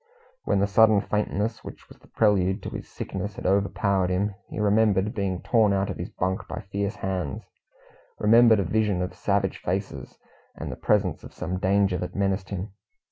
When the sudden faintness, which was the prelude to his sickness, had overpowered him, he remembered being torn out of his bunk by fierce hands remembered a vision of savage faces, and the presence of some danger that menaced him.